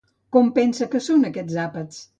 Com pensa que són aquests àpats?